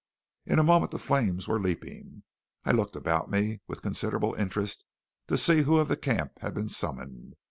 In a moment the flames were leaping. I looked about me with considerable interest to see who of the camp had been summoned.